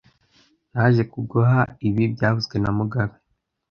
Naje kuguha ibi byavuzwe na mugabe